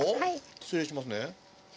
失礼しますね。